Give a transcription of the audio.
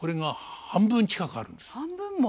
半分も。